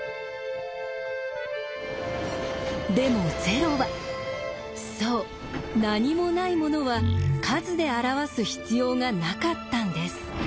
でも０はそう何もないものは数で表す必要がなかったんです。